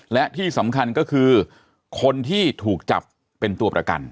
และที่สำคัญก็คือคนที่ถูกจับเป็นตัวประกัน